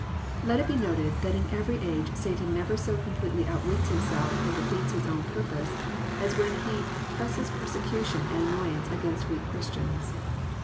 Let it be noted, that in every age Satan never so completely outwits himself and defeats his own purpose, as when he presses persecution and annoyance against weak Christians.